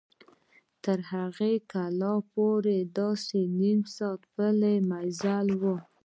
تر هغې کلا پورې داسې نیم ساعت پلي مزل و.